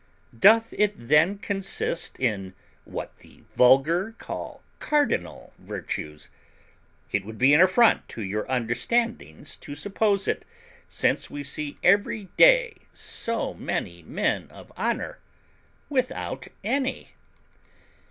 Doth it then consist in what the vulgar call cardinal virtues? It would be an affront to your understandings to suppose it, since we see every day so many men of honour without any.